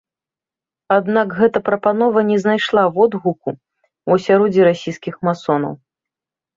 Аднак гэта прапанова не знайшла водгуку ў асяроддзі расійскіх масонаў.